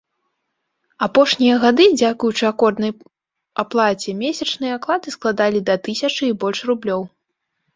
Апошнія гады, дзякуючы акорднай аплаце, месячныя аклады складалі да тысячы і больш рублёў.